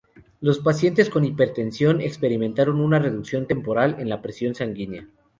Los pacientes con hipertensión experimentaron una reducción temporal en la presión sanguínea.